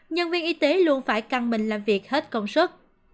nhân viên y tế luôn phải căng mình làm việc hết công suất